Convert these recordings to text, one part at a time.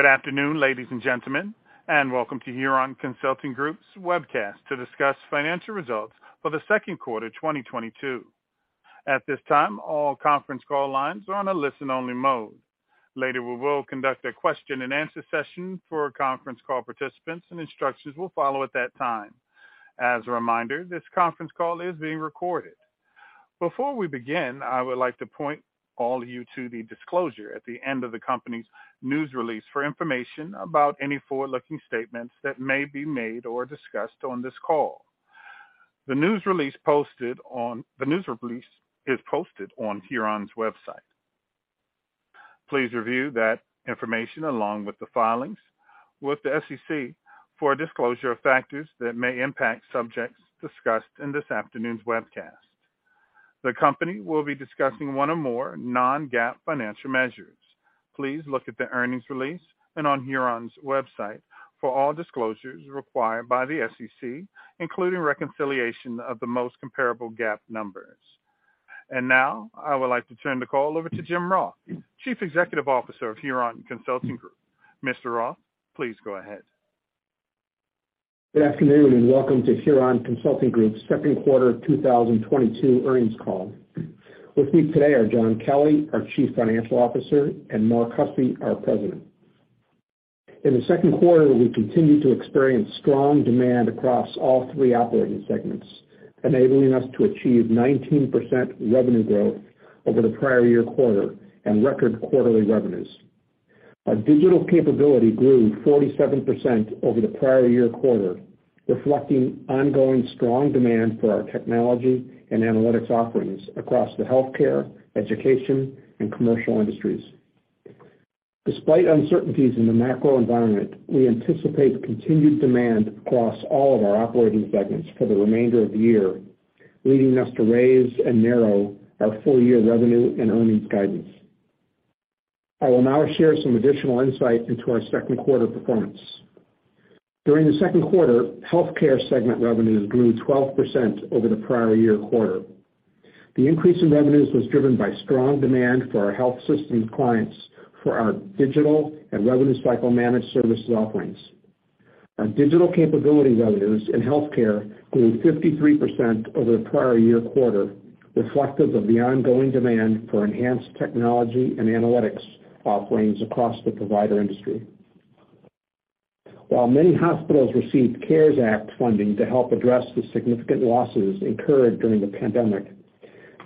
Good afternoon ladies and gentlemen, and welcome to Huron Consulting Group's webcast to discuss financial results for the second quarter 2022. At this time, all conference call lines are on a listen-only mode. Later we will conduct a question-and-answer session for conference call participants, and instructions will follow at that time. As a reminder, this conference call is being recorded. Before we begin, I would like to point all of you to the disclosure at the end of the company's news release for information about any forward-looking statements that may be made or discussed on this call. The news release is posted on Huron's website. Please review that information along with the filings with the SEC for a disclosure of factors that may impact subjects discussed in this afternoon's webcast. The company will be discussing one or more non-GAAP financial measures. Please look at the earnings release and on Huron's website for all disclosures required by the SEC, including reconciliation of the most comparable GAAP numbers. Now I would like to turn the call over to Jim Roth, Chief Executive Officer of Huron Consulting Group. Mr. Roth, please go ahead. Good afternoon, and welcome to Huron Consulting Group's second quarter 2022 earnings call. With me today are John Kelly, our Chief Financial Officer, and Mark Hussey, our President. In the second quarter, we continued to experience strong demand across all three operating segments, enabling us to achieve 19% revenue growth over the prior year quarter and record quarterly revenues. Our digital capability grew 47% over the prior year quarter, reflecting ongoing strong demand for our technology and analytics offerings across the healthcare, education, and commercial industries. Despite uncertainties in the macro environment, we anticipate continued demand across all of our operating segments for the remainder of the year, leading us to raise and narrow our full-year revenue and earnings guidance. I will now share some additional insight into our second quarter performance. During the second quarter, healthcare segment revenues grew 12% over the prior year quarter. The increase in revenues was driven by strong demand for our health system clients for our digital and revenue cycle managed services offerings. Our digital capability revenues in healthcare grew 53% over the prior year quarter, reflective of the ongoing demand for enhanced technology and analytics offerings across the provider industry. While many hospitals received CARES Act funding to help address the significant losses incurred during the pandemic,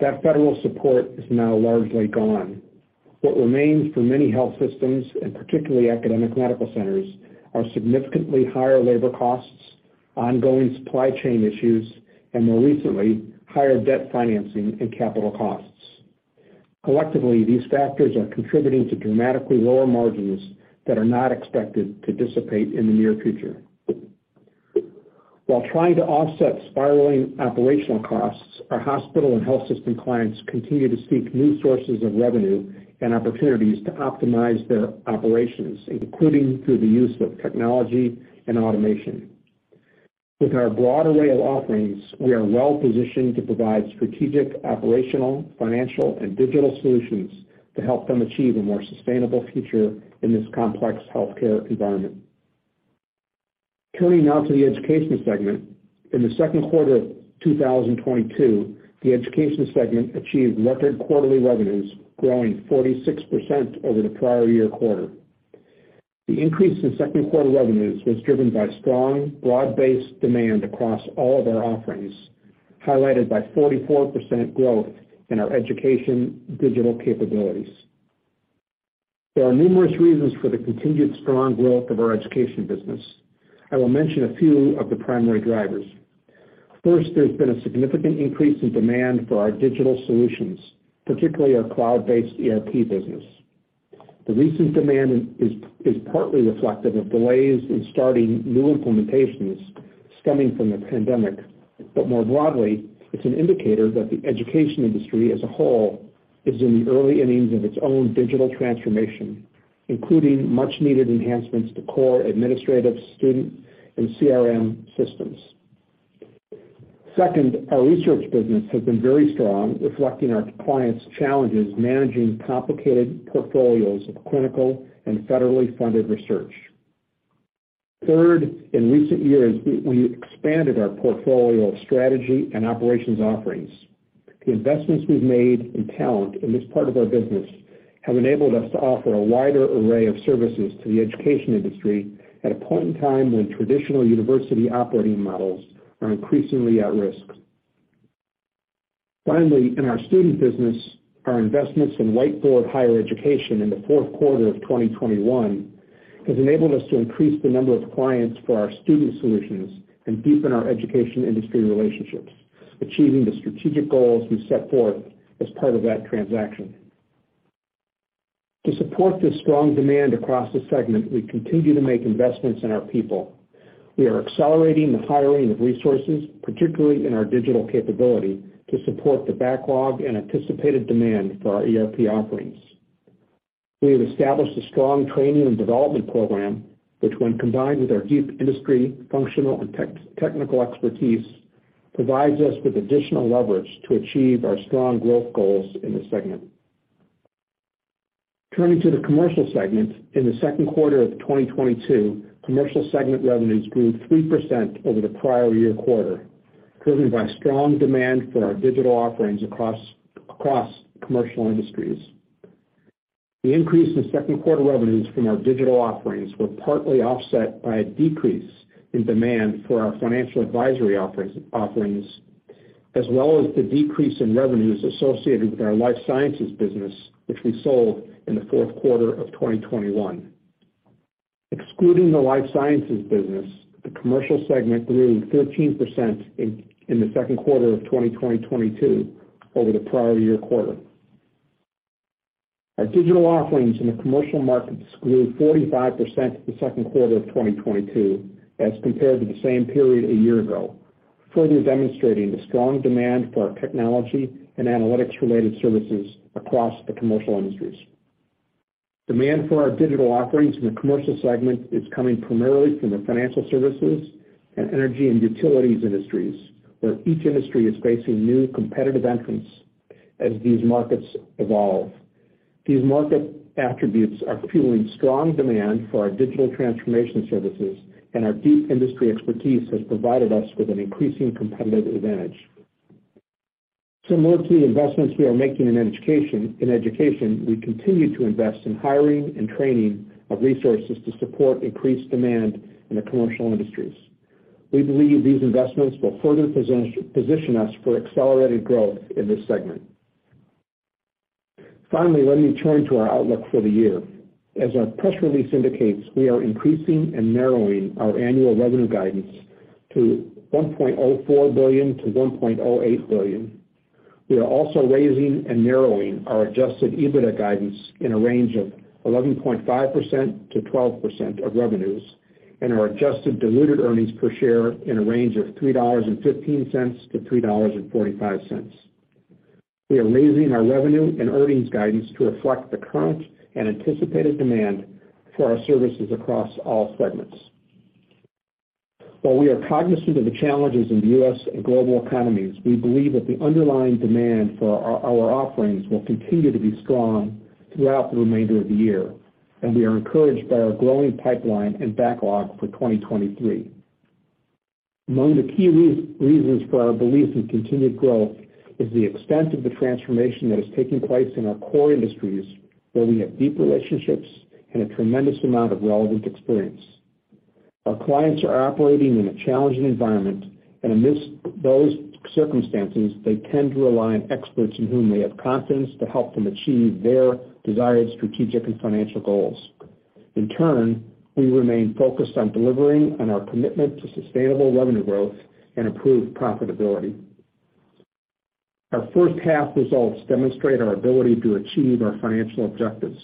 that federal support is now largely gone. What remains for many health systems, and particularly academic medical centers, are significantly higher labor costs, ongoing supply chain issues, and more recently, higher debt financing and capital costs. Collectively, these factors are contributing to dramatically lower margins that are not expected to dissipate in the near future. While trying to offset spiraling operational costs, our hospital and health system clients continue to seek new sources of revenue and opportunities to optimize their operations, including through the use of technology and automation. With our broad array of offerings, we are well-positioned to provide strategic, operational, financial, and digital solutions to help them achieve a more sustainable future in this complex healthcare environment. Turning now to the education segment. In the second quarter of 2022, the education segment achieved record quarterly revenues, growing 46% over the prior year quarter. The increase in second quarter revenues was driven by strong, broad-based demand across all of our offerings, highlighted by 44% growth in our education digital capabilities. There are numerous reasons for the continued strong growth of our education business. I will mention a few of the primary drivers. First, there's been a significant increase in demand for our digital solutions, particularly our cloud-based ERP business. The recent demand is partly reflective of delays in starting new implementations stemming from the pandemic. More broadly, it's an indicator that the education industry as a whole is in the early innings of its own digital transformation, including much-needed enhancements to core administrative, student, and CRM systems. Second, our research business has been very strong, reflecting our clients' challenges managing complicated portfolios of clinical and federally funded research. Third, in recent years, we expanded our portfolio of strategy and operations offerings. The investments we've made in talent in this part of our business have enabled us to offer a wider array of services to the education industry at a point in time when traditional university operating models are increasingly at risk. Finally, in our student business, our investments in Whiteboard Higher Education in the fourth quarter of 2021, has enabled us to increase the number of clients for our student solutions and deepen our education industry relationships, achieving the strategic goals we set forth as part of that transaction. To support this strong demand across the segment, we continue to make investments in our people. We are accelerating the hiring of resources, particularly in our digital capability, to support the backlog and anticipated demand for our ERP offerings. We have established a strong training and development program, which, when combined with our deep industry functional and tech, technical expertise, provides us with additional leverage to achieve our strong growth goals in this segment. Turning to the commercial segment, in the second quarter of 2022, commercial segment revenues grew 3% over the prior year quarter, driven by strong demand for our digital offerings across commercial industries. The increase in second quarter revenues from our digital offerings were partly offset by a decrease in demand for our financial advisory offerings, as well as the decrease in revenues associated with our life sciences business, which we sold in the fourth quarter of 2021. Excluding the life sciences business, the commercial segment grew 13% in the second quarter of 2022 over the prior year quarter. Our digital offerings in the commercial markets grew 45% in the second quarter of 2022 as compared to the same period a year ago, further demonstrating the strong demand for our technology and analytics related services across the commercial industries. Demand for our digital offerings in the commercial segment is coming primarily from the financial services and energy and utilities industries, where each industry is facing new competitive entrants as these markets evolve. These market attributes are fueling strong demand for our digital transformation services, and our deep industry expertise has provided us with an increasing competitive advantage. Similar to the investments we are making in education, we continue to invest in hiring and training of resources to support increased demand in the commercial industries. We believe these investments will further position us for accelerated growth in this segment. Finally, let me turn to our outlook for the year. As our press release indicates, we are increasing and narrowing our annual revenue guidance to $1.04 billion-$1.08 billion. We are also raising and narrowing our adjusted EBITDA guidance in a range of 11.5%-12% of revenues and our adjusted diluted earnings per share in a range of $3.15-$3.45. We are raising our revenue and earnings guidance to reflect the current and anticipated demand for our services across all segments. While we are cognizant of the challenges in the U.S. and global economies, we believe that the underlying demand for our offerings will continue to be strong throughout the remainder of the year, and we are encouraged by our growing pipeline and backlog for 2023. Among the key reasons for our belief in continued growth is the extent of the transformation that is taking place in our core industries, where we have deep relationships and a tremendous amount of relevant experience. Our clients are operating in a challenging environment, and amidst those circumstances, they tend to rely on experts in whom they have confidence to help them achieve their desired strategic and financial goals. In turn, we remain focused on delivering on our commitment to sustainable revenue growth and improved profitability. Our first half results demonstrate our ability to achieve our financial objectives.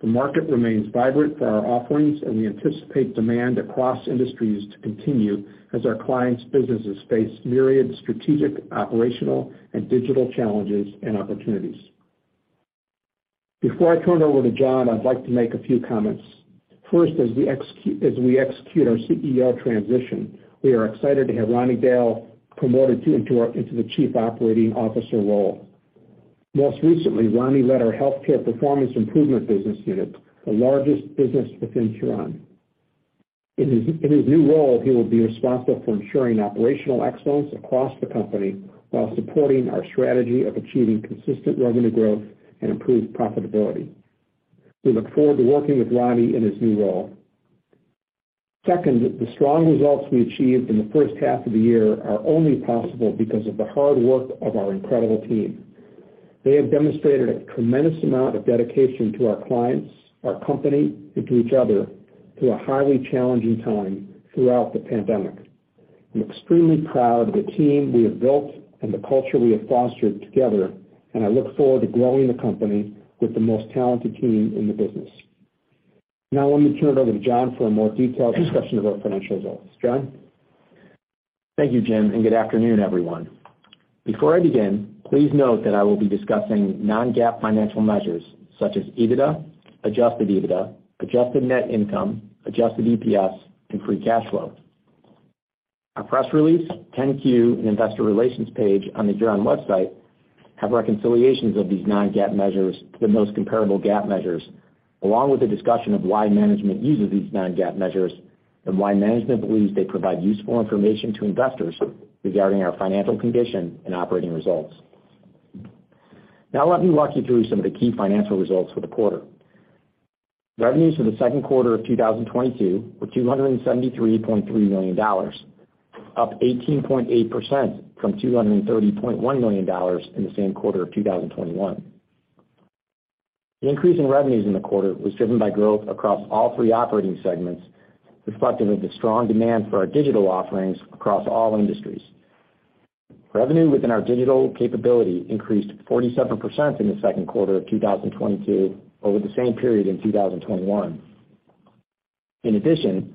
The market remains vibrant for our offerings, and we anticipate demand across industries to continue as our clients' businesses face myriad strategic, operational, and digital challenges and opportunities. Before I turn it over to John, I'd like to make a few comments. First, as we execute our CEO transition, we are excited to have Ronnie Dail promoted into the Chief Operating Officer role. Most recently, Ronnie Dail led our healthcare performance improvement business unit, the largest business within Huron. In his new role, he will be responsible for ensuring operational excellence across the company while supporting our strategy of achieving consistent revenue growth and improved profitability. We look forward to working with Ronnie in his new role. Second, the strong results we achieved in the first half of the year are only possible because of the hard work of our incredible team. They have demonstrated a tremendous amount of dedication to our clients, our company, and to each other through a highly challenging time throughout the pandemic. I'm extremely proud of the team we have built and the culture we have fostered together, and I look forward to growing the company with the most talented team in the business. Now I want to turn it over to John for a more detailed discussion of our financial results. John? Thank you Jim, and good afternoon, everyone. Before I begin, please note that I will be discussing non-GAAP financial measures such as EBITDA, adjusted EBITDA, adjusted net income, adjusted EPS, and free cash flow. Our press release, 10-Q, and investor relations page on the Huron website have reconciliations of these non-GAAP measures to the most comparable GAAP measures, along with a discussion of why management uses these non-GAAP measures and why management believes they provide useful information to investors regarding our financial condition and operating results. Now let me walk you through some of the key financial results for the quarter. Revenues for the second quarter of 2022 were $273.3 million, up 18.8% from $230.1 million in the same quarter of 2021. The increase in revenues in the quarter was driven by growth across all three operating segments, reflective of the strong demand for our digital offerings across all industries. Revenue within our digital capability increased 47% in the second quarter of 2022 over the same period in 2021. In addition,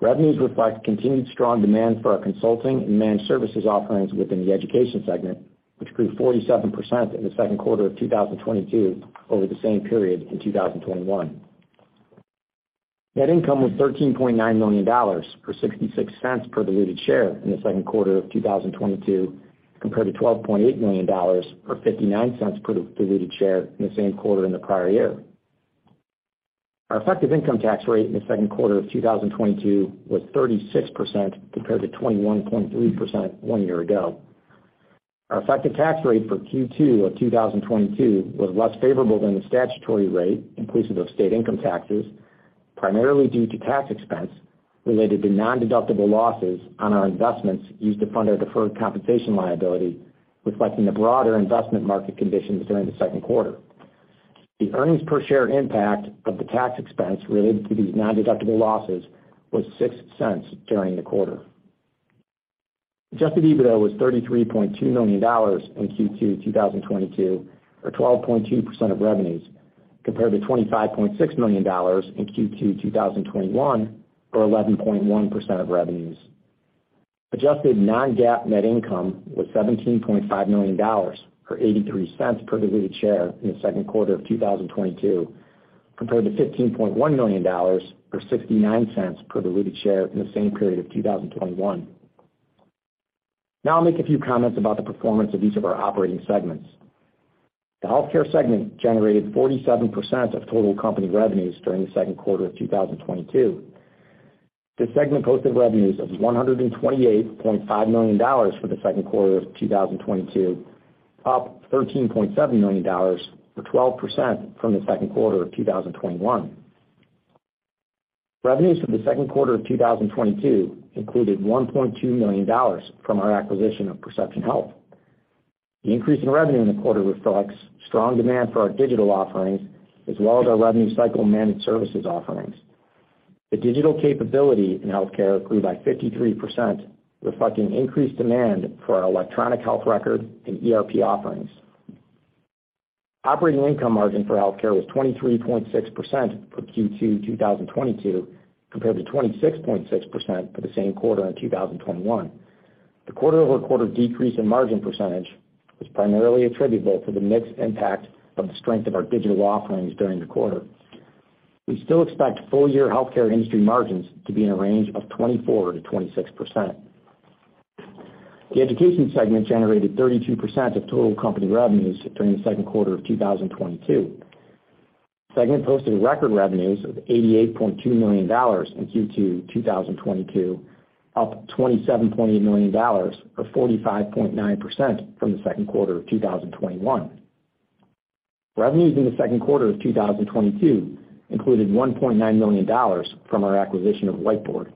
revenues reflect continued strong demand for our consulting and managed services offerings within the education segment, which grew 47% in the second quarter of 2022 over the same period in 2021. Net income was $13.9 million or $0.66 per diluted share in the second quarter of 2022, compared to $12.8 million or $0.59 per diluted share in the same quarter in the prior year. Our effective income tax rate in the second quarter of 2022 was 36% compared to 21.3% one year ago. Our effective tax rate for Q2 of 2022 was less favorable than the statutory rate, inclusive of state income taxes, primarily due to tax expense related to nondeductible losses on our investments used to fund our deferred compensation liability, reflecting the broader investment market conditions during the second quarter. The earnings per share impact of the tax expense related to these nondeductible losses was $0.06 during the quarter. Adjusted EBITDA was $33.2 million in Q2 2022, or 12.2% of revenues, compared to $25.6 million in Q2 2021, or 11.1% of revenues. Adjusted non-GAAP net income was $17.5 million, or $0.83 per diluted share in the second quarter of 2022, compared to $15.1 million, or $0.69 per diluted share in the same period of 2021. Now I'll make a few comments about the performance of each of our operating segments. The healthcare segment generated 47% of total company revenues during the second quarter of 2022. The segment posted revenues of $128.5 million for the second quarter of 2022, up $13.7 million, or 12% from the second quarter of 2021. Revenues for the second quarter of 2022 included $1.2 million from our acquisition of Perception Health. The increase in revenue in the quarter reflects strong demand for our digital offerings as well as our revenue cycle managed services offerings. The digital capability in healthcare grew by 53%, reflecting increased demand for our electronic health record and ERP offerings. Operating income margin for healthcare was 23.6% for Q2 2022 compared to 26.6% for the same quarter in 2021. The quarter-over-quarter decrease in margin percentage was primarily attributable to the mix impact of the strength of our digital offerings during the quarter. We still expect full-year healthcare industry margins to be in a range of 24%-26%. The education segment generated 32% of total company revenues during the second quarter of 2022. Segment posted record revenues of $88.2 million in Q2 2022, up $27.8 million, or 45.9% from the second quarter of 2021. Revenues in the second quarter of 2022 included $1.9 million from our acquisition of Whiteboard.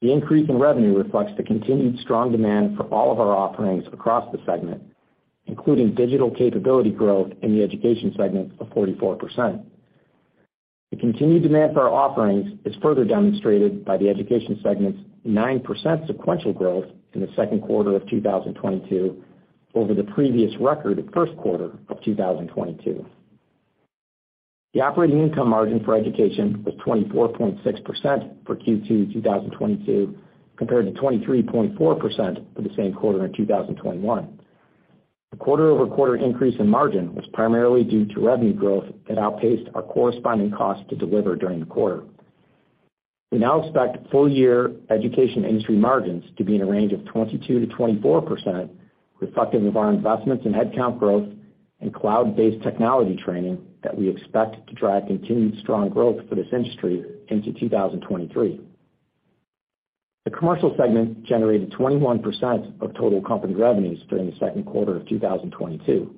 The increase in revenue reflects the continued strong demand for all of our offerings across the segment, including digital capability growth in the education segment of 44%. The continued demand for our offerings is further demonstrated by the education segment's 9% sequential growth in the second quarter of 2022 over the previous record of first quarter of 2022. The operating income margin for education was 24.6% for Q2 2022, compared to 23.4% for the same quarter in 2021. The quarter-over-quarter increase in margin was primarily due to revenue growth that outpaced our corresponding cost to deliver during the quarter. We now expect full year education industry margins to be in a range of 22%-24%, reflective of our investments in headcount growth and cloud-based technology training that we expect to drive continued strong growth for this industry into 2023. The commercial segment generated 21% of total company revenues during the second quarter of 2022.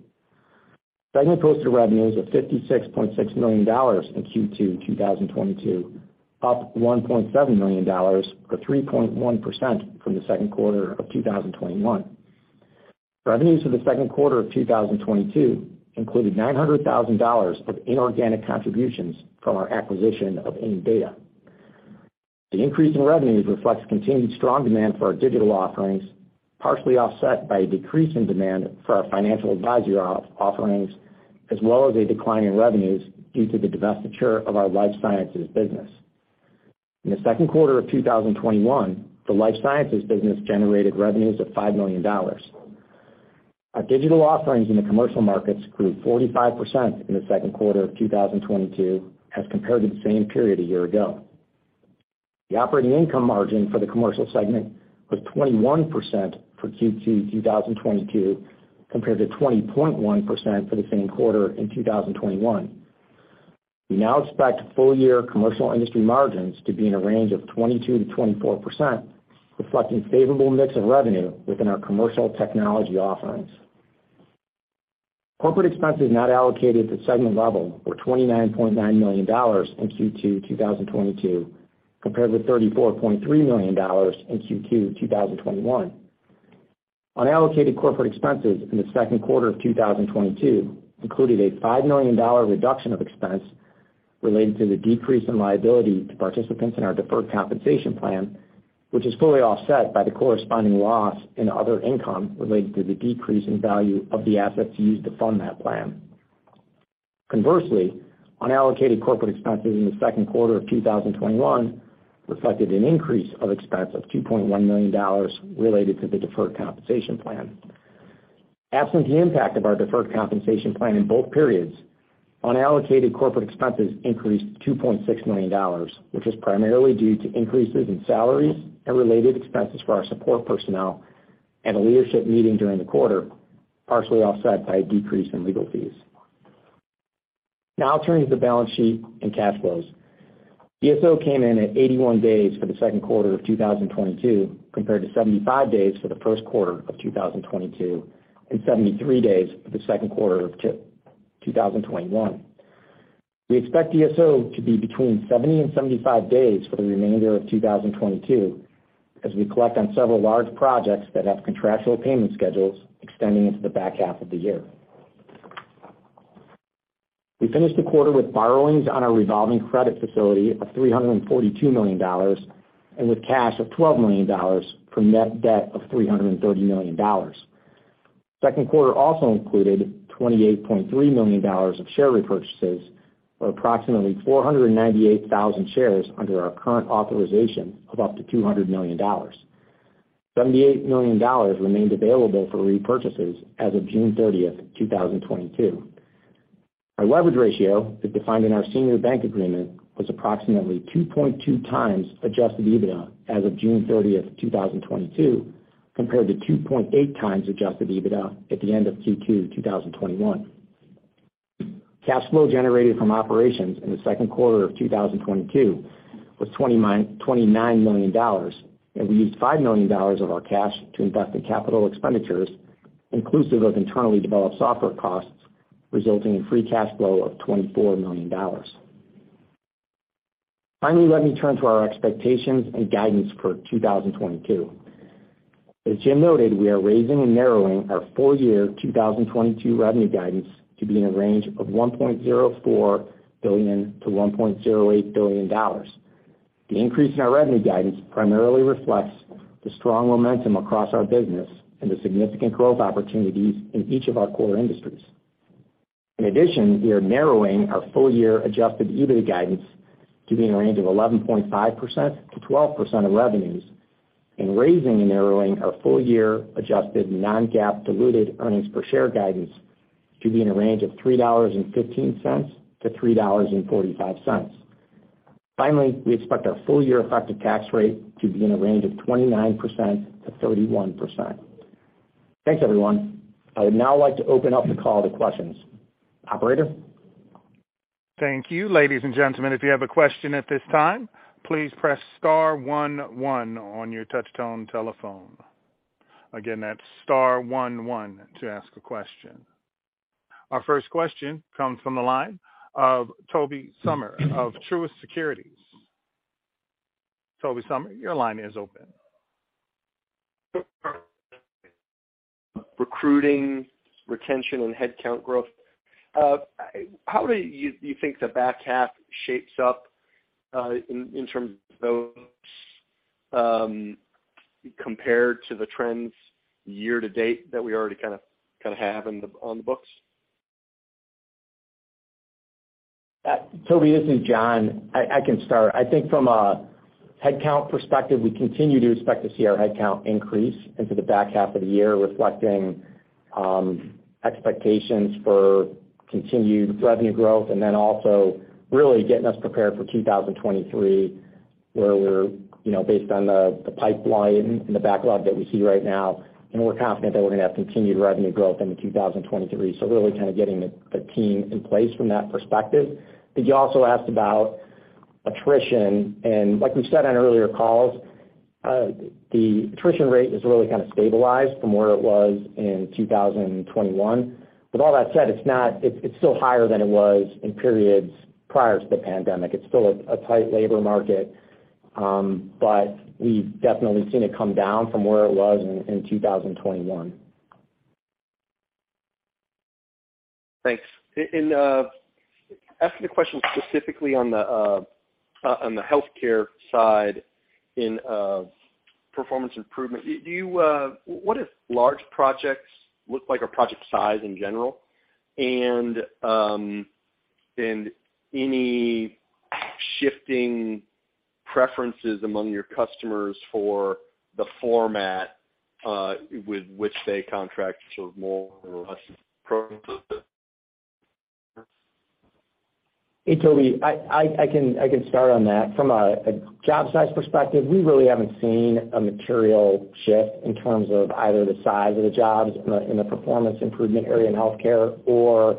Segment posted revenues of $56.6 million in Q2 2022, up $1.7 million, or 3.1% from the second quarter of 2021. Revenues for the second quarter of 2022 included $900,000 of inorganic contributions from our acquisition of AIMDATA. The increase in revenues reflects continued strong demand for our digital offerings, partially offset by a decrease in demand for our financial advisory offerings, as well as a decline in revenues due to the divestiture of our life sciences business. In the second quarter of 2021, the life sciences business generated revenues of $5 million. Our digital offerings in the commercial markets grew 45% in the second quarter of 2022 as compared to the same period a year ago. The operating income margin for the commercial segment was 21% for Q2 2022, compared to 20.1% for the same quarter in 2021. We now expect full year commercial industry margins to be in a range of 22%-24%, reflecting favorable mix of revenue within our commercial technology offerings. Corporate expenses not allocated at the segment level were $29.9 million in Q2 2022, compared with $34.3 million in Q2 2021. Unallocated corporate expenses in the second quarter of 2022 included a $5 million reduction of expense related to the decrease in liability to participants in our deferred compensation plan, which is fully offset by the corresponding loss in other income related to the decrease in value of the assets used to fund that plan. Conversely, unallocated corporate expenses in the second quarter of 2021 reflected an increase of expense of $2.1 million related to the deferred compensation plan. Absent the impact of our deferred compensation plan in both periods, unallocated corporate expenses increased $2.6 million, which is primarily due to increases in salaries and related expenses for our support personnel and a leadership meeting during the quarter, partially offset by a decrease in legal fees. Now turning to the balance sheet and cash flows. DSO came in at 81 days for the second quarter of 2022, compared to 75 days for the first quarter of 2022 and 73 days for the second quarter of 2021. We expect DSO to be between 70 and 75 days for the remainder of 2022 as we collect on several large projects that have contractual payment schedules extending into the back half of the year. We finished the quarter with borrowings on our revolving credit facility of $342 million and with cash of $12 million for net debt of $330 million. Second quarter also included $28.3 million of share repurchases, or approximately 498,000 shares under our current authorization of up to $200 million. $78 million remained available for repurchases as of June 30, 2022. Our leverage ratio, as defined in our senior bank agreement, was approximately 2.2 times adjusted EBITDA as of June 30, 2022, compared to 2.8 times adjusted EBITDA at the end of Q2 2021. Cash flow generated from operations in the second quarter of 2022 was $29 million, and we used $5 million of our cash to invest in capital expenditures, inclusive of internally developed software costs, resulting in free cash flow of $24 million. Finally, let me turn to our expectations and guidance for 2022. As Jim noted, we are raising and narrowing our full-year 2022 revenue guidance to be in a range of $1.04 billion-$1.08 billion. The increase in our revenue guidance primarily reflects the strong momentum across our business and the significant growth opportunities in each of our core industries. In addition, we are narrowing our full-year adjusted EBITDA guidance to be in a range of 11.5%-12% of revenues and raising and narrowing our full-year adjusted non-GAAP diluted earnings per share guidance to be in a range of $3.15-$3.45. Finally, we expect our full-year effective tax rate to be in a range of 29%-31%. Thanks, everyone. I would now like to open up the call to questions. Operator? Thank you. Ladies and gentlemen, if you have a question at this time, please press star one one on your touch tone telephone. Again, that's star one one to ask a question. Our first question comes from the line of Tobey Sommer of Truist Securities. Tobey Sommer, your line is open. Recruiting, retention, and headcount growth. How do you think the back half shapes up in terms of those compared to the trends year-to-date that we already kinda have on the books? Tobey this is John, I can start. I think from a headcount perspective, we continue to expect to see our headcount increase into the back half of the year, reflecting expectations for continued revenue growth and then also really getting us prepared for 2023, where we're, you know, based on the pipeline and the backlog that we see right now, and we're confident that we're gonna have continued revenue growth into 2023, so really kinda getting the team in place from that perspective. You also asked about attrition. Like we've said on earlier calls, the attrition rate has really kind of stabilized from where it was in 2021. With all that said, it's still higher than it was in periods prior to the pandemic. It's still a tight labor market, but we've definitely seen it come down from where it was in 2021. Thanks. Asking a question specifically on the healthcare side in performance improvement, what do large projects look like, or project size in general? Any shifting preferences among your customers for the format with which they contract to more or less? Hey, Tobey. I can start on that. From a job size perspective, we really haven't seen a material shift in terms of either the size of the jobs in the performance improvement area in healthcare or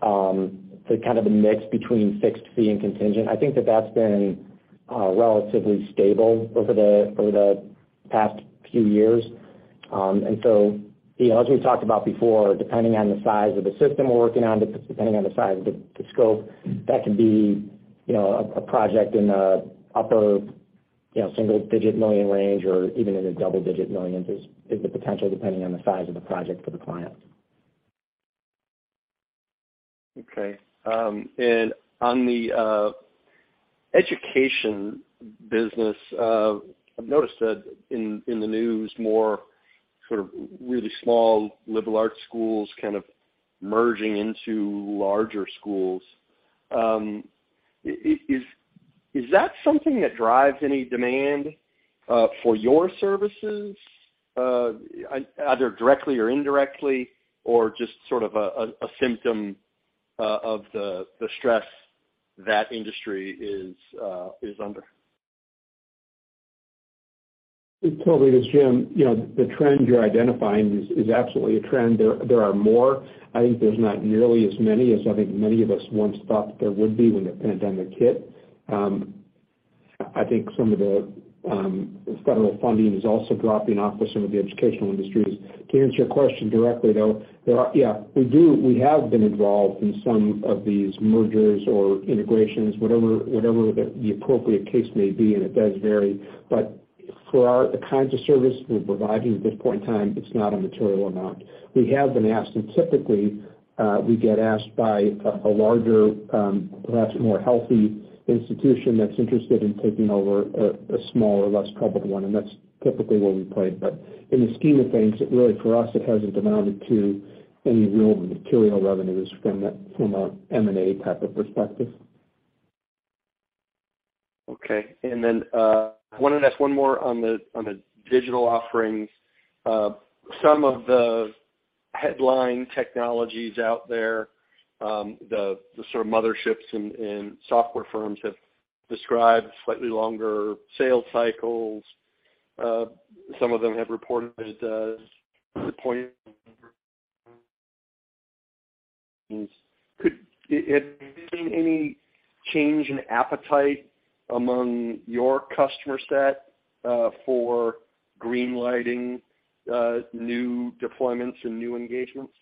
the kind of a mix between fixed fee and contingent. I think that's been relatively stable over the past few years. You know, as we've talked about before, depending on the size of the system we're working on, depending on the size of the scope, that could be a project in the upper single-digit million range or even in a double-digit millions is the potential depending on the size of the project for the client. Okay. On the education business, I've noticed that in the news more sort of really small liberal arts schools kind of merging into larger schools. Is that something that drives any demand for your services, either directly or indirectly, or just sort of a symptom of the stress that industry is under? Tobey, this is Jim. You know, the trend you're identifying is absolutely a trend. There are more. I think there's not nearly as many as I think many of us once thought there would be when the pandemic hit. I think some of the federal funding is also dropping off for some of the educational industries. To answer your question directly, though, there are. Yeah, we do. We have been involved in some of these mergers or integrations, whatever the appropriate case may be, and it does vary. For the kinds of service we're providing at this point in time, it's not a material amount. We have been asked, and typically, we get asked by a larger, perhaps more healthy institution that's interested in taking over a small or less troubled one, and that's typically where we play. In the scheme of things, it really, for us, it hasn't amounted to any real material revenues from a M&A type of perspective. I wanted to ask one more on the digital offerings. Some of the headline technologies out there, the sort of motherships and software firms have described slightly longer sales cycles. Some of them have reported. Have you seen any change in appetite among your customer set for green-lighting new deployments and new engagements?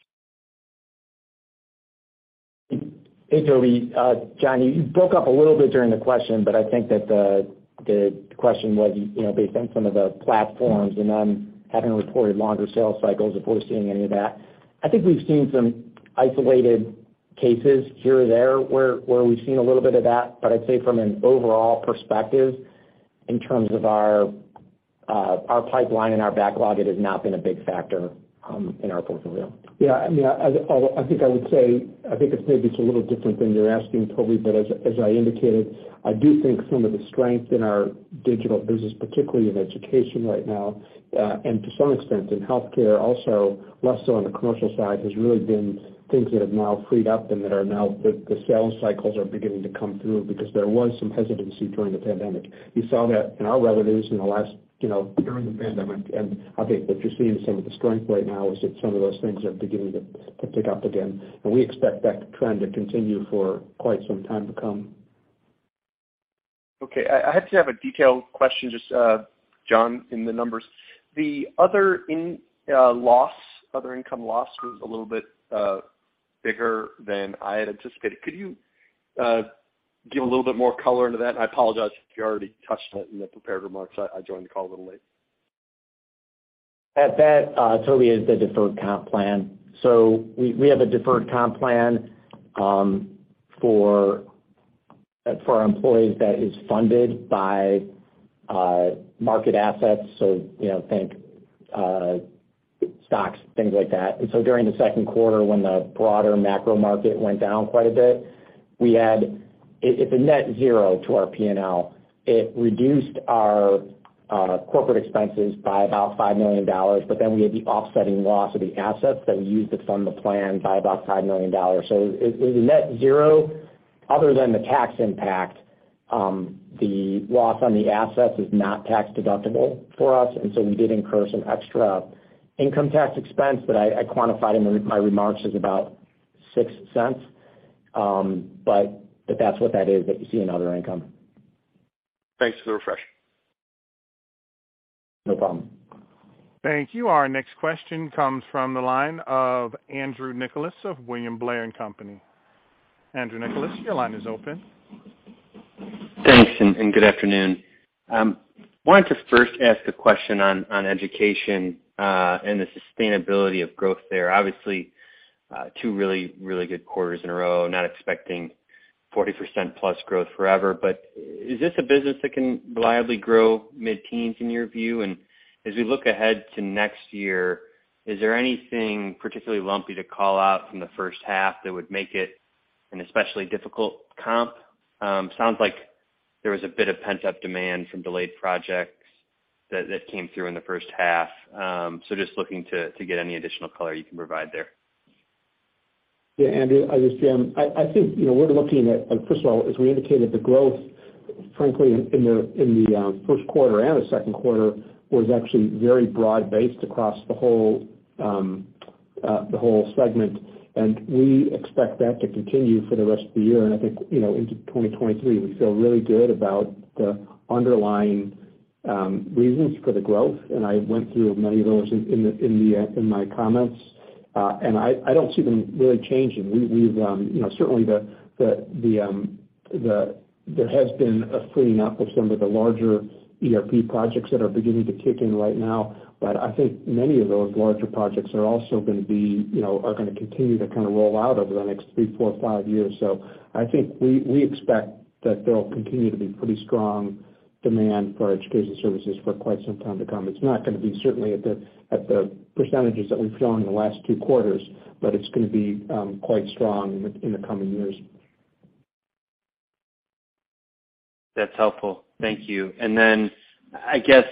Hey Tobey. John, you broke up a little bit during the question, but I think that the question was, you know, based on some of the platforms and them having reported longer sales cycles, if we're seeing any of that. I think we've seen some isolated cases here or there where we've seen a little bit of that. But I'd say from an overall perspective, in terms of our pipeline and our backlog, it has not been a big factor in our portfolio. Yeah, I mean, I think I would say, I think it's maybe a little different than you're asking Tobey, but as I indicated, I do think some of the strength in our digital business, particularly in education right now, and to some extent in healthcare also, less so on the commercial side, has really been things that have now freed up and that are now the sales cycles are beginning to come through because there was some hesitancy during the pandemic. You saw that in our revenues in the last, you know, during the pandemic, and I think that you're seeing some of the strength right now is that some of those things are beginning to pick up again. We expect that trend to continue for quite some time to come. Okay. I actually have a detailed question, just, John, in the numbers. The other income loss was a little bit bigger than I had anticipated. Could you give a little bit more color on that? I apologize if you already touched on it in the prepared remarks. I joined the call a little late. That totally is the deferred comp plan. We have a deferred comp plan for our employees that is funded by market assets, so you know think stocks, things like that. During the second quarter, when the broader macro market went down quite a bit, it's a net zero to our P&L. It reduced our corporate expenses by about $5 million, but then we had the offsetting loss of the assets that we used to fund the plan by about $5 million. It was a net zero other than the tax impact. The loss on the assets is not tax deductible for us, and so we did incur some extra income tax expense that I quantified in my remarks as about $0.06. That's what that is that you see in other income. Thanks for the refresh. No problem. Thank you. Our next question comes from the line of Andrew Nicholas of William Blair & Company. Andrew Nicholas, your line is open. Thanks, good afternoon. Wanted to first ask a question on education and the sustainability of growth there. Obviously, two really good quarters in a row, not expecting 40% plus growth forever. But is this a business that can reliably grow mid-teens in your view? And as we look ahead to next year, is there anything particularly lumpy to call out from the first half that would make it an especially difficult comp? Sounds like there was a bit of pent-up demand from delayed projects that came through in the first half. So just looking to get any additional color you can provide there. Yeah Andrew. This is Jim. I think, you know, we're looking at. First of all, as we indicated, the growth, frankly, in the first quarter and the second quarter was actually very broad-based across the whole segment. We expect that to continue for the rest of the year, and I think, you know, into 2023. We feel really good about the underlying reasons for the growth, and I went through many of those in my comments. I don't see them really changing. We've, you know, certainly there has been a freeing up of some of the larger ERP projects that are beginning to kick in right now. I think many of those larger projects are also gonna be, you know, are gonna continue to kind of roll out over the next three, four, five years. I think we expect that there'll continue to be pretty strong demand for our education services for quite some time to come. It's not gonna be certainly at the percentages that we've shown in the last two quarters, but it's gonna be quite strong in the coming years. That's helpful. Thank you. Then I guess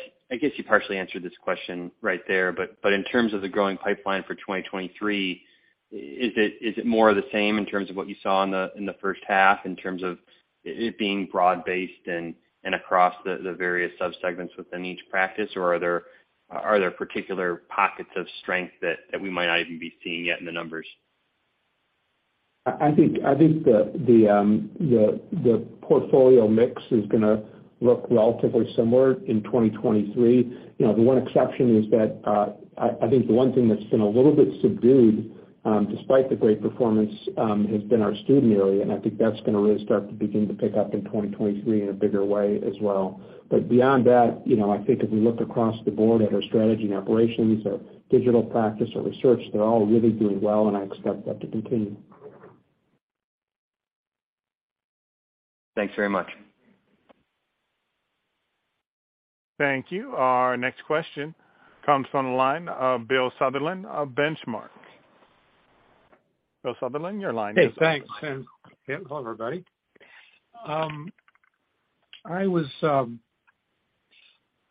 you partially answered this question right there, but in terms of the growing pipeline for 2023, is it more of the same in terms of what you saw in the first half in terms of it being broad-based and across the various subsegments within each practice or are there particular pockets of strength that we might not even be seeing yet in the numbers? I think the portfolio mix is gonna look relatively similar in 2023. You know, the one exception is that, I think the one thing that's been a little bit subdued, despite the great performance, has been our student area. I think that's gonna really start to begin to pick up in 2023 in a bigger way as well. Beyond that, you know, I think if we look across the board at our strategy and operations, our digital practice, our research, they're all really doing well and I expect that to continue. Thanks very much. Thank you. Our next question comes from the line of Bill Sutherland of Benchmark. Bill Sutherland, your line is open. Hey thanks. Yeah, hello, everybody. I was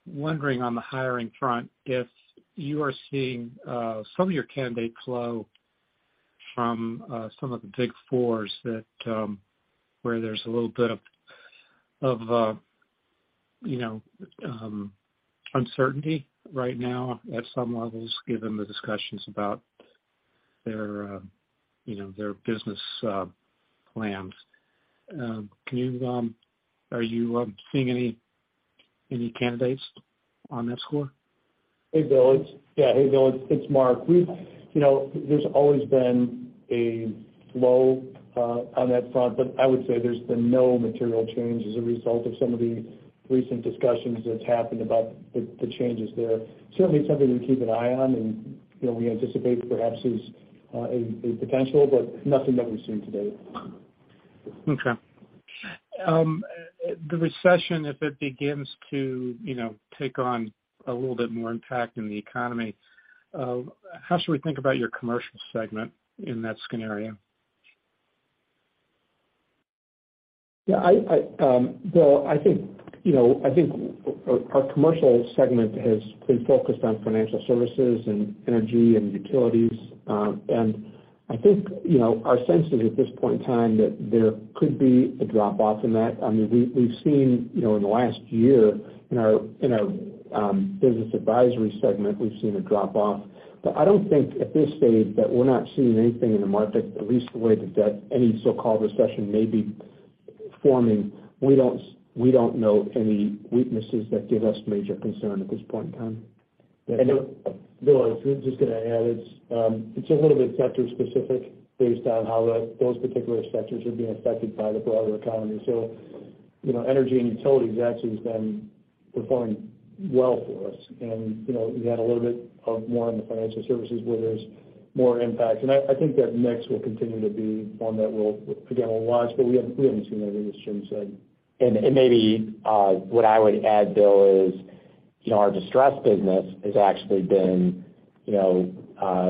wondering on the hiring front if you are seeing some of your candidates flow from some of the Big Four that where there's a little bit of of you know uncertainty right now at some levels given the discussions about their you know their business plans. Are you seeing any candidates on that score? Hey Bill, hey, Bill, it's Mark. You know, there's always been a flow on that front, but I would say there's been no material change as a result of some of the recent discussions that's happened about the changes there. Certainly something we keep an eye on, and you know, we anticipate perhaps is a potential, but nothing that we've seen to date. The recession, if it begins to, you know, take on a little bit more impact in the economy, how should we think about your commercial segment in that scenario? Yeah, Bill, I think, you know, I think our commercial segment has been focused on financial services and energy and utilities. I think, you know, our sense is at this point in time that there could be a drop off in that. I mean, we've seen, you know, in the last year in our business advisory segment, we've seen a drop off. I don't think at this stage that we're not seeing anything in the market, at least the way that any so-called recession may be forming. We don't know any weaknesses that give us major concern at this point in time. Bill. Bill, I was just gonna add, it's a little bit sector specific based on how those particular sectors are being affected by the broader economy. You know, energy and utilities actually has been performing well for us. You know, we had a little bit more on the financial services where there's more impact. I think that mix will continue to be one that we'll again watch, but we haven't seen anything as Jim said. Maybe what I would add, Bill, is, you know, our distressed business has actually been, you know,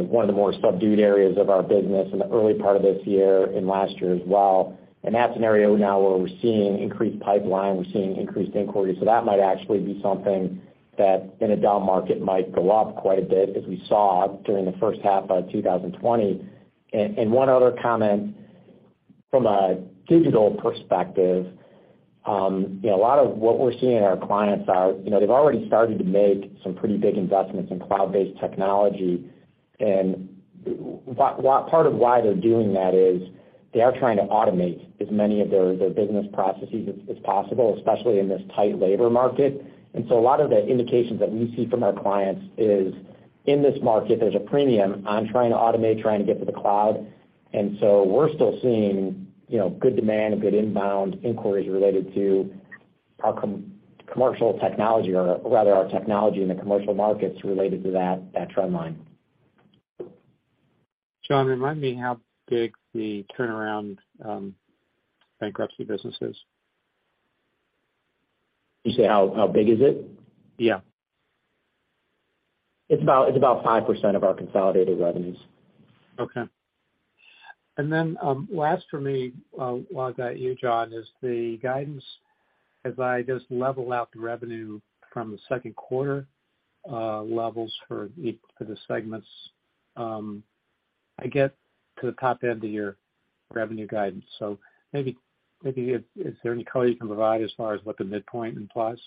one of the more subdued areas of our business in the early part of this year and last year as well. In that scenario now where we're seeing increased pipeline, we're seeing increased inquiries. That might actually be something that in a down market might go up quite a bit as we saw during the first half of 2020. One other comment from a digital perspective, you know, a lot of what we're seeing in our clients are, you know, they've already started to make some pretty big investments in cloud-based technology. Part of why they're doing that is they are trying to automate as many of their business processes as possible, especially in this tight labor market. A lot of the indications that we see from our clients is in this market, there's a premium on trying to automate, trying to get to the cloud. We're still seeing, you know, good demand and good inbound inquiries related to our commercial technology or rather our technology in the commercial markets related to that trend line. John, remind me how big the turnaround, bankruptcy business is? You say how big is it? Yeah. It's about 5% of our consolidated revenues. Last for me, while I got you John, is the guidance as I just level out the revenue from the second quarter levels for the segments. I get to the top end of your revenue guidance. Maybe is there any color you can provide as far as what the midpoint implies?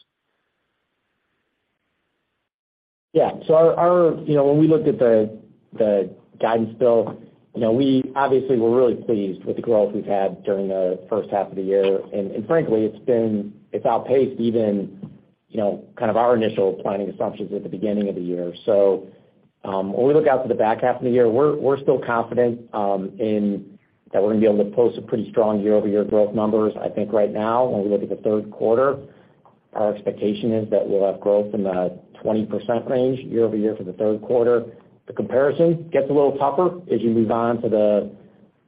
Yeah. Our you know, when we looked at the guidance Bill, you know, we obviously were really pleased with the growth we've had during the first half of the year. Frankly it's been outpaced even, you know, kind of our initial planning assumptions at the beginning of the year. When we look out to the back half of the year, we're still confident in that we're gonna be able to post a pretty strong year-over-year growth numbers. I think right now when we look at the third quarter, our expectation is that we'll have growth in the 20% range year-over-year for the third quarter. The comparison gets a little tougher as you move on to the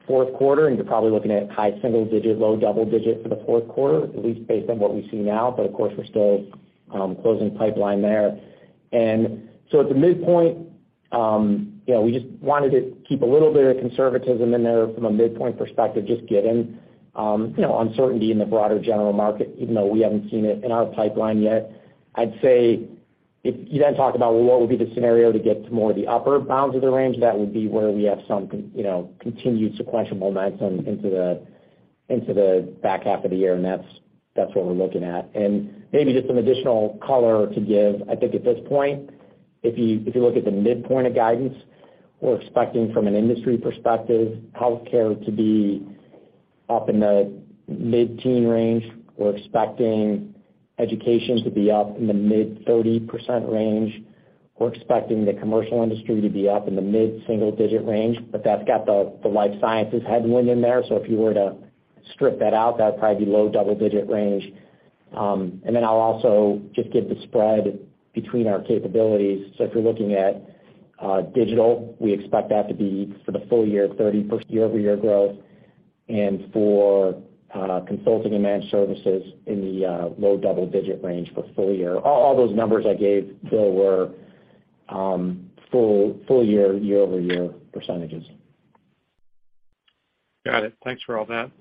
fourth quarter, and you're probably looking at high single-digit, low double-digit for the fourth quarter, at least based on what we see now. Of course we're still closing the pipeline there. At the midpoint, you know, we just wanted to keep a little bit of conservatism in there from a midpoint perspective, just given you know uncertainty in the broader general market, even though we haven't seen it in our pipeline yet. I'd say if you then talk about what would be the scenario to get to more of the upper bounds of the range, that would be where we have some you know continued sequential momentum into the back half of the year, and that's what we're looking at. Maybe just some additional color to give, I think at this point, if you look at the midpoint of guidance, we're expecting from an industry perspective, healthcare to be up in the mid-teens% range. We're expecting education to be up in the mid-30% range. We're expecting the commercial industry to be up in the mid-single-digit% range, but that's got the life sciences headwind in there. If you were to strip that out, that would probably be low double-digit% range. Then I'll also just give the spread between our capabilities. If you're looking at digital, we expect that to be for the full year, 30% year-over-year growth. For consulting and managed services in the low double-digit% range for full year. All those numbers I gave, Bill, were full year-over-year percentages. Got it. Thanks for all that.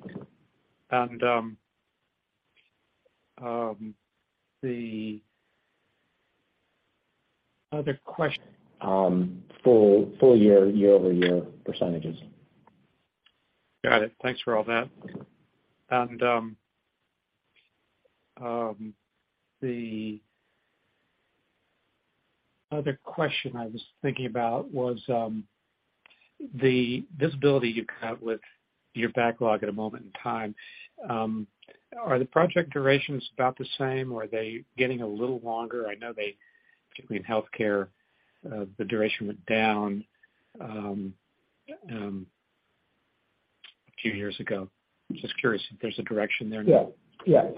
Full year, year-over-year percentages. Got it. Thanks for all that. The other question I was thinking about was the visibility you have with your backlog at a moment in time. Are the project durations about the same? Are they getting a little longer? I know they, particularly in healthcare, the duration went down a few years ago. I'm just curious if there's a direction there now. Yeah. Yeah.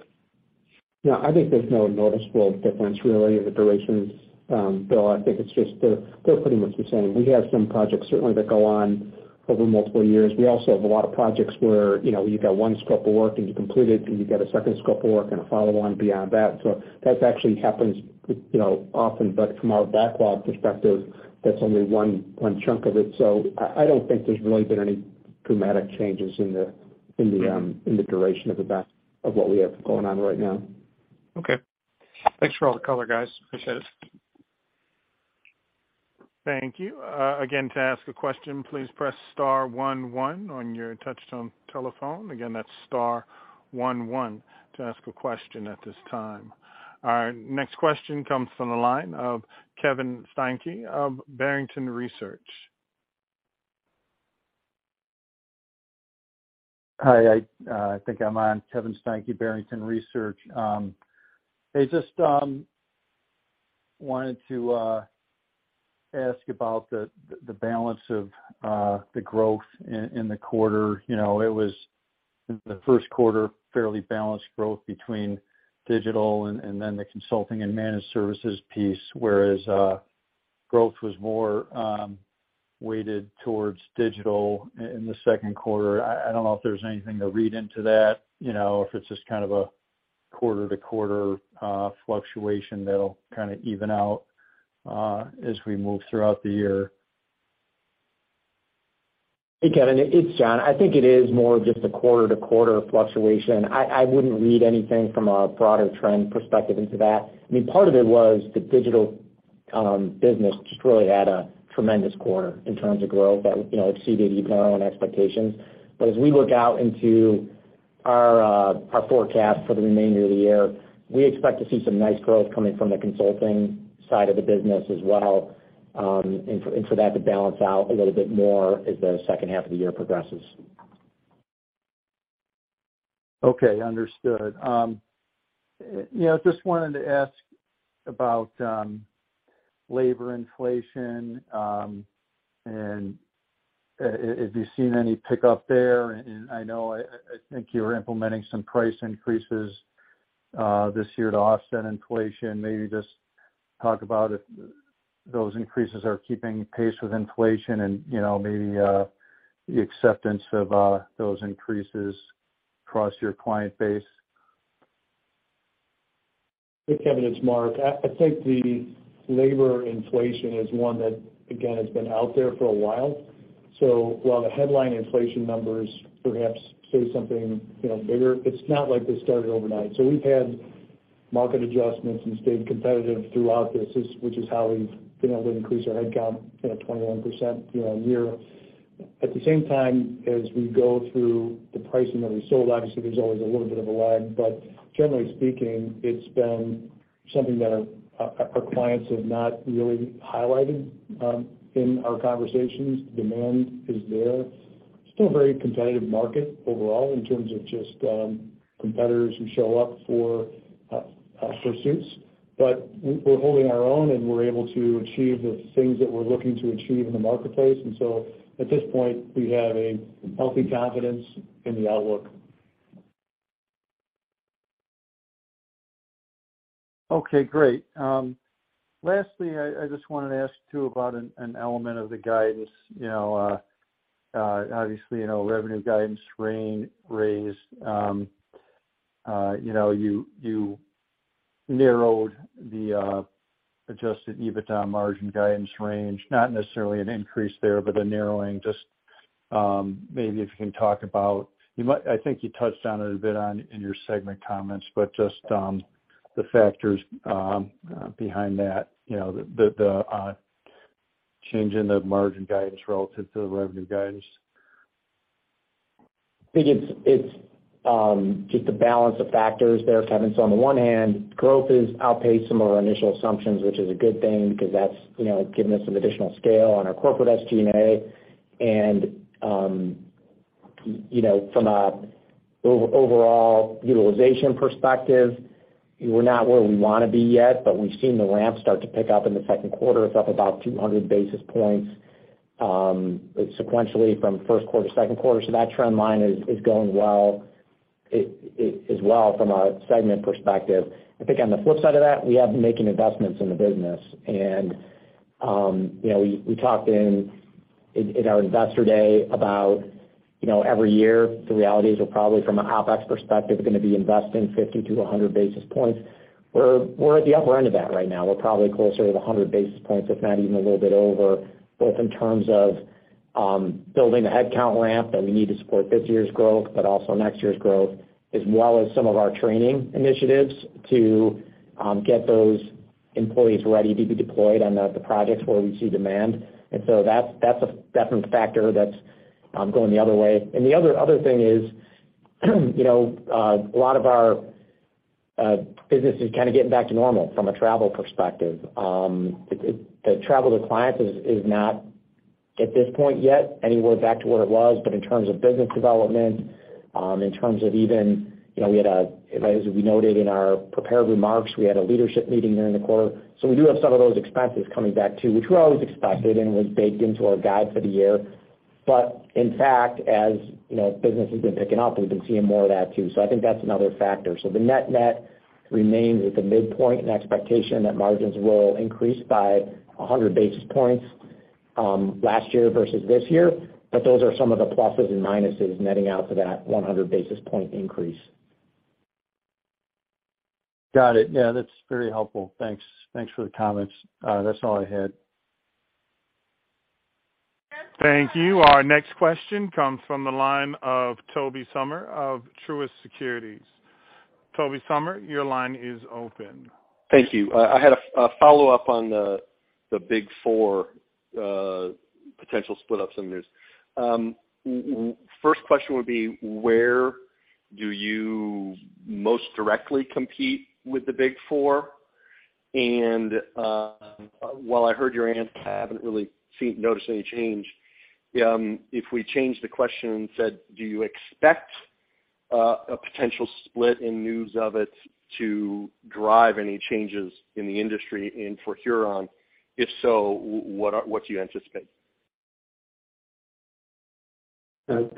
No, I think there's no noticeable difference really in the durations. Bill, I think it's just they're pretty much the same. We have some projects certainly that go on over multiple years. We also have a lot of projects where, you know, you've got one scope of work, and you complete it, and you get a second scope of work and a follow-on beyond that. That actually happens, you know, often. From a backlog perspective, that's only one chunk of it, so I don't think there's really been any dramatic changes in the duration of the backlog of what we have going on right now. Okay. Thanks for all the color guys. Appreciate it. Thank you. Again, to ask a question, please press star one one on your touch tone telephone. Again, that's star one one to ask a question at this time. Our next question comes from the line of Kevin Steinke of Barrington Research. Hi, I think I'm on. Kevin Steinke, Barrington Research. I just wanted to ask about the balance of the growth in the quarter. You know, it was the first quarter, fairly balanced growth between digital and then the consulting and managed services piece, whereas growth was more weighted towards digital in the second quarter. I don't know if there's anything to read into that, you know, if it's just kind of a quarter-to-quarter fluctuation that'll kind of even out as we move throughout the year. Hey Kevin, it's John. I think it is more of just a quarter-to-quarter fluctuation. I wouldn't read anything from a broader trend perspective into that. I mean, part of it was the digital business just really had a tremendous quarter in terms of growth that, you know, exceeded even our own expectations. As we look out into our forecast for the remainder of the year, we expect to see some nice growth coming from the consulting side of the business as well, and for that to balance out a little bit more as the second half of the year progresses. Okay. Understood. You know, just wanted to ask about labor inflation, and have you seen any pickup there? I know I think you're implementing some price increases this year to offset inflation. Maybe just talk about if those increases are keeping pace with inflation and, you know, maybe the acceptance of those increases across your client base. Hey Kevin, it's Mark. I think the labor inflation is one that, again, has been out there for a while. While the headline inflation numbers perhaps say something, you know, bigger, it's not like they started overnight. We've had market adjustments and stayed competitive throughout this, which is how we've been able to increase our headcount, you know, 21%, you know, a year. At the same time, as we go through the pricing that we sold, obviously there's always a little bit of a lag, but generally speaking, it's been something that our clients have not really highlighted in our conversations. Demand is there. Still a very competitive market overall in terms of just competitors who show up for pursuits. We're holding our own, and we're able to achieve the things that we're looking to achieve in the marketplace. At this point, we have a healthy confidence in the outlook. Okay, great. Lastly, I just wanted to ask too about an element of the guidance. You know, obviously, you know, revenue guidance range raised, you know, you Narrowed the adjusted EBITDA margin guidance range, not necessarily an increase there, but a narrowing. I think you touched on it a bit in your segment comments, but just the factors behind that. You know, the change in the margin guidance relative to the revenue guidance. I think it's just a balance of factors there Kevin, so on the one hand, growth is outpaced some of our initial assumptions, which is a good thing because that's, you know, given us some additional scale on our corporate SG&A. You know, from an overall utilization perspective, we're not where we wanna be yet, but we've seen the ramp start to pick up in the second quarter. It's up about 200 basis points sequentially from first quarter to second quarter. That trend line is going well as well from a segment perspective. I think on the flip side of that, we have been making investments in the business. You know, we talked in our Investor Day about, you know, every year, the reality is we're probably, from an OpEx perspective, gonna be investing 50-100 basis points. We're at the upper end of that right now. We're probably closer to the 100 basis points, if not even a little bit over, both in terms of building a headcount ramp that we need to support this year's growth, but also next year's growth, as well as some of our training initiatives to get those employees ready to be deployed on the projects where we see demand. That's a definite factor that's going the other way. The other thing is, you know, a lot of our business is kinda getting back to normal from a travel perspective. The travel to clients is not at this point yet anywhere back to where it was, but in terms of business development, in terms of even, you know, we had a, as we noted in our prepared remarks, we had a leadership meeting during the quarter. We do have some of those expenses coming back, too, which we always expected and was baked into our guide for the year. In fact, as you know, business has been picking up, we've been seeing more of that, too. I think that's another factor. The net-net remains at the midpoint and expectation that margins will increase by 100 basis points last year versus this year. Those are some of the pluses and minuses netting out to that 100 basis point increase. Got it. Yeah, that's very helpful. Thanks. Thanks for the comments. That's all I had. Thank you. Our next question comes from the line of Tobey Sommer of Truist Securities. Tobey Sommer, your line is open. Thank you. I had a follow-up on the Big Four potential split up some news. First question would be: Where do you most directly compete with the Big Four? While I heard your answer, I haven't really seen noticed any change. If we change the question and said, do you expect a potential split in news of it to drive any changes in the industry and for Huron? If so, what do you anticipate?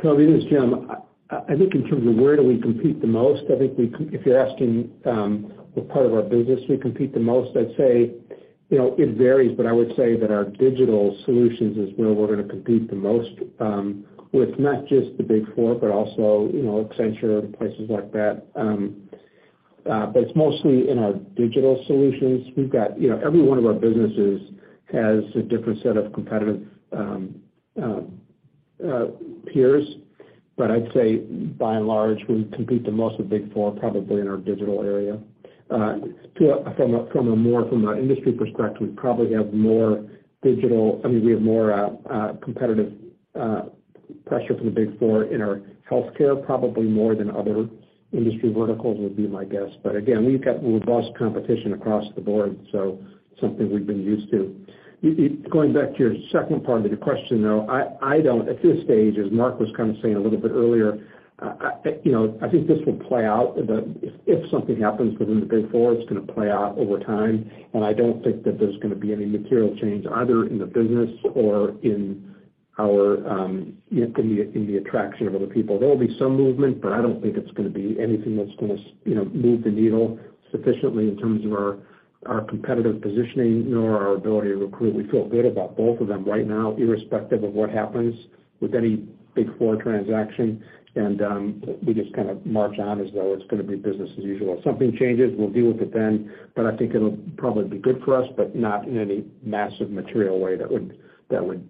Tobey, this is Jim. I think in terms of where do we compete the most, I think if you're asking what part of our business we compete the most, I'd say, you know, it varies, but I would say that our digital solutions is where we're gonna compete the most with not just the Big Four, but also, you know, Accenture and places like that. But it's mostly in our digital solutions. You know, every one of our businesses has a different set of competitive peers. But I'd say by and large, we compete the most with Big Four probably in our digital area. From an industry perspective, we probably have more, I mean, we have more competitive pressure from the Big Four in our healthcare, probably more than other industry verticals, would be my guess. Again, we've got robust competition across the board, so something we've been used to. Going back to your second part of the question, though, I don't at this stage, as Mark was kinda saying a little bit earlier, you know, I think this will play out. If something happens within the Big Four, it's gonna play out over time. I don't think that there's gonna be any material change either in the business or in the attraction of other people. There'll be some movement, but I don't think it's gonna be anything that's gonna, you know, move the needle sufficiently in terms of our competitive positioning, nor our ability to recruit. We feel good about both of them right now, irrespective of what happens with any Big Four transaction. We just kind of march on as though it's gonna be business as usual. If something changes, we'll deal with it then, but I think it'll probably be good for us, but not in any massive material way that would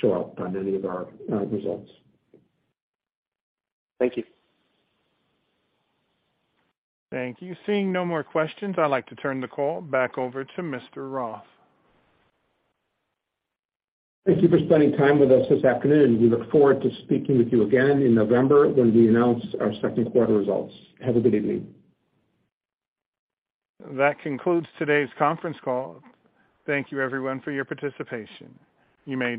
show up on any of our results. Thank you. Thank you. Seeing no more questions, I'd like to turn the call back over to Mr. Roth. Thank you for spending time with us this afternoon. We look forward to speaking with you again in November when we announce our second quarter results. Have a good evening. That concludes today's conference call. Thank you everyone for your participation. You may disconnect.